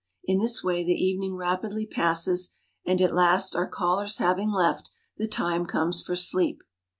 In this way the evening rapidly passes, and at last, our callers having left, the time comes for sleep.